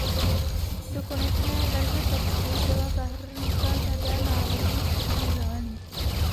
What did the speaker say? Do konečné verze textu byla zahrnuta řada návrhů skupiny Zelených.